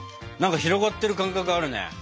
なんか広がってる感覚あるね。